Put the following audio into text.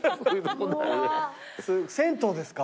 銭湯ですか？